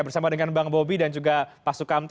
bersama dengan bang bobi dan juga pak sukamta